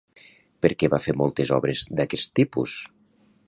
Per què va fer moltes obres d'aquest tipus?